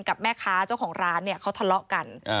กับแม่ค้าเจ้าของร้านเนี่ยเขาทะเลาะกัน